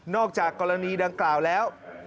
จากกรณีดังกล่าวแล้ว